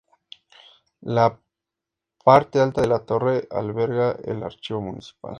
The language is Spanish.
La parte alta de la torre alberga el archivo municipal.